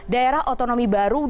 daerah otonomi baru